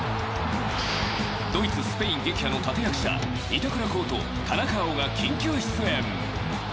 ドイツ、スペイン撃破の立役者板倉滉と田中碧が緊急出演。